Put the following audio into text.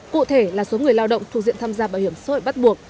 cụ thể là số người lao động thuộc diện tham gia bảo hiểm xã hội bắt buộc